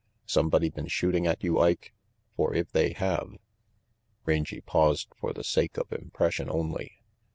"Somebody been shooting at you, Ike? For if they have " Rangy paused for the sake of impression only.